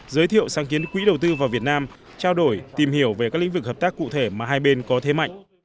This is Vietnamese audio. giới thiệu sáng kiến quỹ đầu tư vào việt nam trao đổi tìm hiểu về các lĩnh vực hợp tác cụ thể mà hai bên có thế mạnh